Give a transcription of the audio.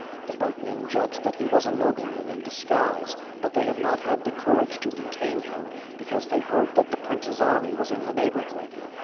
The boatmen judged that he was a nobleman in disguise, but they had not had the courage to detain him, because they heard that the prince's army was in the neighborhood.